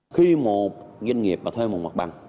khi một doanh nghiệp mà thuê một mặt bằng